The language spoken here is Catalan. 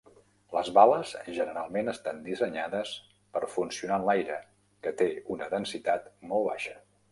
Les bales generalment estan dissenyades per funcionar en l'aire, que té una densitat molt baixa.